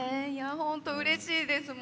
本当、うれしいです。